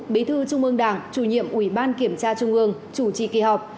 bí thư trung ương đảng chủ nhiệm ubkt trung ương chủ trì kỳ họp